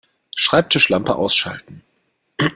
Schreibtischlampe ausschalten